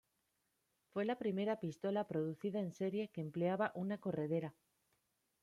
Fue la primera pistola producida en serie que empleaba una corredera.